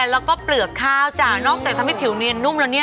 แล้วก็เปลือกข้าวจ้ะนอกจากทำให้ผิวเนียนนุ่มแล้วเนี่ย